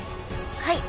はい。